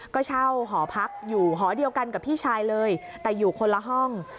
ก็เช่าหอพักอยู่หอเดียวกันกับพี่ชายเลยแต่อยู่คนละห้อง